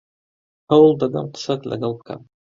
هەوڵ دەدەم قسەت لەگەڵ بکەم.